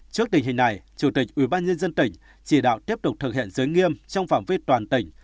trước tình hình này chủ tịch ủy ban nhân dân tỉnh chỉ đạo tiếp tục thực hiện giới nghiêm trong phòng viết toàn tỉnh